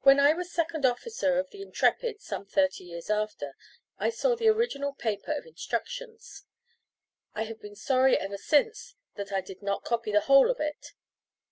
When I was second officer of the Intrepid, some thirty years after, I saw the original paper of instructions. I have been sorry ever since that I did not copy the whole of it.